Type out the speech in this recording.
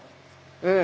ええ。